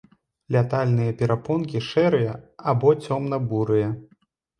Лятальныя перапонкі шэрыя або цёмна-бурыя.